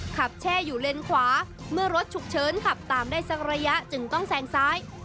แช่อยู่เลนขวาเมื่อรถฉุกเฉินขับตามได้สักระยะจึงต้องแซงซ้าย